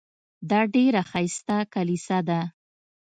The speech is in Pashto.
دا ډېره ښایسته کلیسا ده.